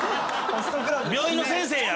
病院の先生や！